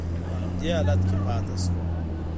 په همدې حالت کې پاتې شوه.